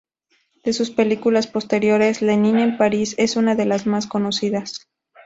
De sus películas posteriores "Lenin en París" es una de las más conocidas.